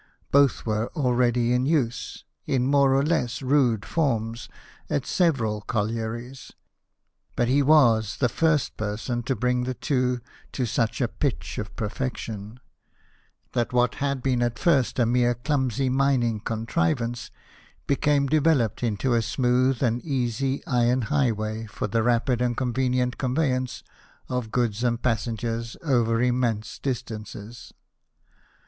Both were already in use, in more or less rude forms, at several collieries. But he was the GEORGE STEPHENSON, ENGINE MAN. 45 first person to bring the two to such a pitch of perfection, that what had been at first a mere clumsy mining contrivance, became developed into a smooth and easy iron highway for the rapid and convenient conveyance of goods and passengers over immense distances.